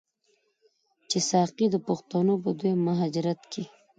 چې ساکي پښتنو په دویم مهاجرت کې،